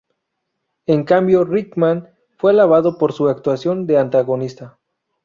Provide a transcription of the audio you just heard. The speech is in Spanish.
En cambio, Rickman fue alabado por su actuación de antagonista.